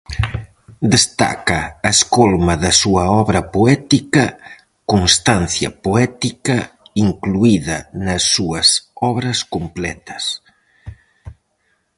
Destaca a escolma da súa obra poética, Constancia poética, incluída nas súas Obras completas.